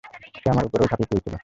সে আমার উপরেও ঝাঁপিয়ে পড়েছিল।